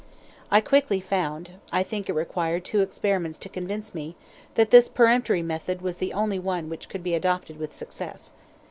I quickly found (I think it required two experiments to convince me) that this peremptory method was the only one which could be adopted with success.